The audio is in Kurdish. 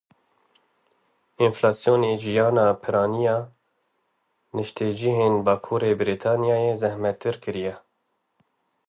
Enflasyonê jiyana piraniya niştecihên bakurê Brîtanyayê zehmettir kiriye.